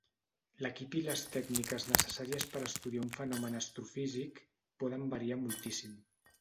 L'equip i les tècniques necessàries per estudiar un fenomen astrofísic poden variar moltíssim.